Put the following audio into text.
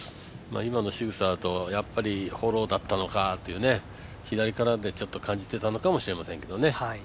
今のしぐさだとやっぱりフォローだったのかと、左からでちょっと感じていたのかもしれませんけどね。